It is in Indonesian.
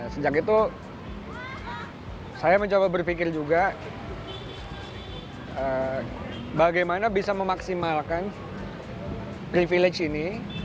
sejak itu saya mencoba berpikir juga bagaimana bisa memaksimalkan privilege ini